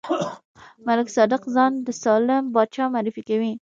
ملک صادق ځان د سالم پاچا معرفي کوي.